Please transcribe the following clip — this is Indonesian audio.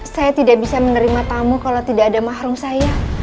saya tidak bisa menerima tamu kalau tidak ada mahrum saya